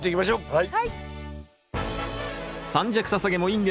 はい。